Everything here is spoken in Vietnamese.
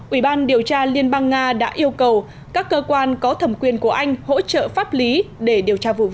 ủy ban điều tra liên bang nga đã yêu cầu các cơ quan có thẩm quyền của anh hỗ trợ pháp lý để điều tra vụ việc